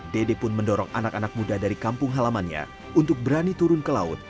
dede pun mendorong anak anak muda dari kampung halamannya untuk berani turun ke laut